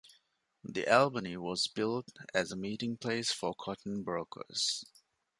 The Albany was built as a meeting place for cotton brokers.